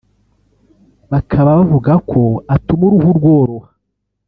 bakaba bavuga ko atuma uruhu rworoha